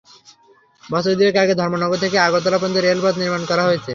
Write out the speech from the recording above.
বছর দুয়েক আগে ধর্মনগর থেকে আগরতলা পর্যন্ত রেলপথ নির্মাণ করা হয়েছে।